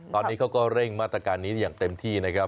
ตอนนี้เขาก็เร่งมาตรการนี้อย่างเต็มที่นะครับ